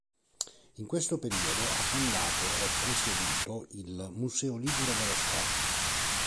In questo periodo ha fondato e presieduto il "Museo ligure dello sport".